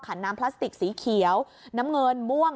น้ำพลาสติกสีเขียวน้ำเงินม่วง